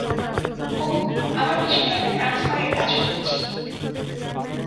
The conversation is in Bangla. ওহ, আমরা পিছনে একটা ট্রান্সফারের কাজ করছি।